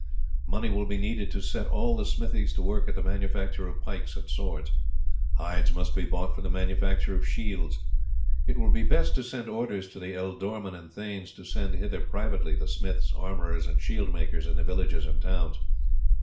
Money will be needed to set all the smithies to work at the manufacture of pikes and swords. Hides must be bought for the manufacture of shields. It will be best to send orders to the ealdormen and thanes to send hither privately the smiths, armourers, and shield makers in the villages and towns.